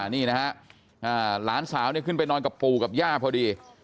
นี่นะฮะหลานสาวขึ้นไปนอนกับปู่กับย่าพอดี